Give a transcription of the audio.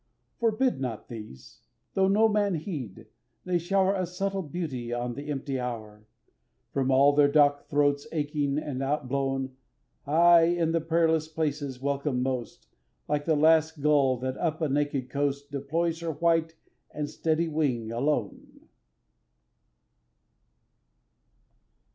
Forbid not these! Tho' no man heed, they shower A subtle beauty on the empty hour, From all their dark throats aching and outblown; Aye in the prayerless places welcome most, Like the last gull that up a naked coast Deploys her white and steady wing, alone.